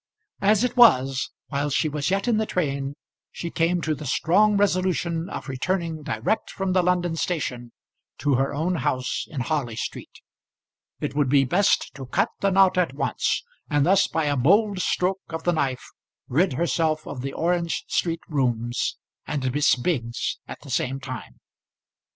As it was, while she was yet in the train, she came to the strong resolution of returning direct from the London station to her own house in Harley Street. It would be best to cut the knot at once, and thus by a bold stroke of the knife rid herself of the Orange Street rooms and Miss Biggs at the same time.